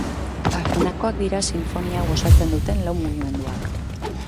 Honakoak dira sinfonia hau osatzen duten lau mugimenduak.